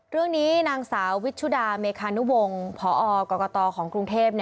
เรื่องนี้นางสาววิชุดาเมคานุวงศ์พอกรกตของกรุงเทพ